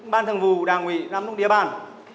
ban thường vụ đảng ủy đảng ủy địa bàn